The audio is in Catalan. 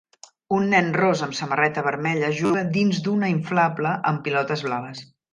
Un nen ros amb samarreta vermella juga dins d'un inflable amb pilotes blaves.